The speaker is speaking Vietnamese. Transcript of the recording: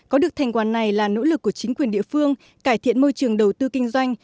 có được thành quản này là nỗ lực của chính quyền địa phương cải thiện môi trường đầu tư kinh doanh